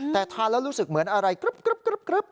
แต่ทานแล้วรู้สึกเหมือนอะไรกรึ๊บ